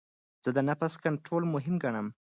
زه د نفس کنټرول مهم ګڼم.